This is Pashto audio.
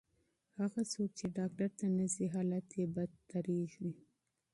هغه څوک چې ډاکټر ته نه ځي، حالت یې بدتریږي.